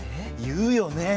言うよね！